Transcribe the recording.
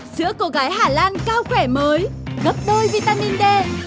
nữa cô gái hà lan cao khỏe mới gấp đôi vitamin d